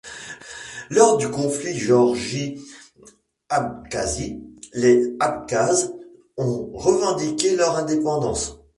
Lors du conflit Géorgie-Abkhazie, les Abkhazes ont revendiqué leur indépendance.